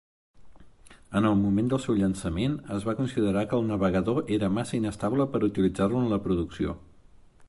En el moment del seu llançament, es va considerar que el navegador era massa inestable per utilitzar-lo en la producció.